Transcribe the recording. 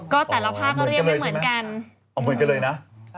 ก็แต่ละภาพก็เรียกไม่เหมือนกัน